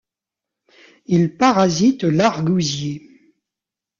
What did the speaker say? Il parasite l'argousier.